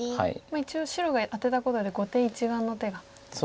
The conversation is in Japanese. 一応白がアテたことで後手１眼の手ができたと。